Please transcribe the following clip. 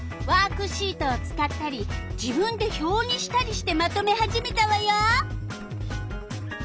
ワークシートを使ったり自分で表にしたりしてまとめ始めたわよ！